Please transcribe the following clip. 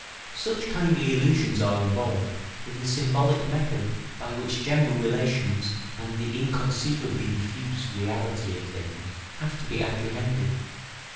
] Such kindly illusions are involved in the symbolic method by which general relations and the inconceivably diffuse reality of things have to be apprehended.